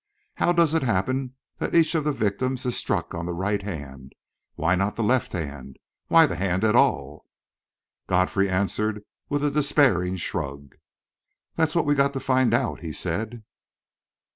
How does it happen that each of the victims is struck on the right hand? Why not the left hand? Why the hand at all?" Godfrey answered with a despairing shrug. "That is what we've got to find out," he said.